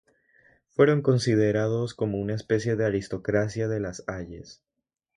Fueron considerados como una especie de aristocracia de las Halles.